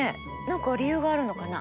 何か理由があるのかな？